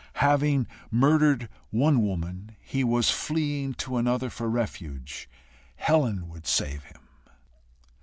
Having murdered one woman, he was fleeing to another for refuge. Helen would save him.